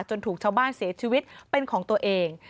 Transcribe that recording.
ถูกชาวบ้านเสียชีวิตเป็นของตัวเอง